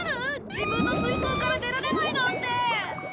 自分の水槽から出られないなんて。